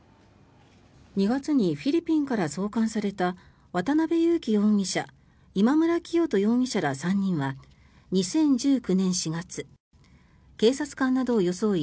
２月にフィリピンから送還された渡邉優樹容疑者今村磨人容疑者ら３人は２０１９年４月警察官などを装い